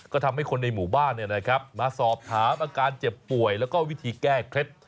ก็ทำให้คนในหมู่บ้านมาสอบถามอาการเจ็บป่วยแล้วก็วิธีแก้เคล็ด